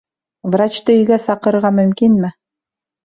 Врачты өйгә саҡырырға мөмкинме?